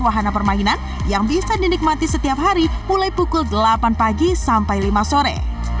wahana permainan yang bisa dinikmati setiap hari mulai pukul delapan pagi sampai lima sore